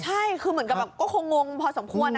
ใช่คือเหมือนกับแบบก็คงงพอสมควร